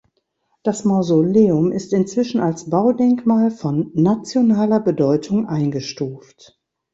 Das Mausoleum ist inzwischen als Baudenkmal von nationaler Bedeutung eingestuft.